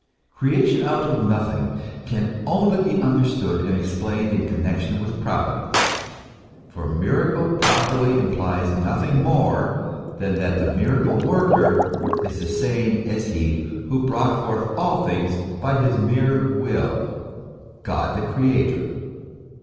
Creation out of nothing can only be understood and explained in con nexion with Providence ; for miracle properly implies nothing more than that the miracle worker is the same as he who brought forth all things by his mere will God the Creator.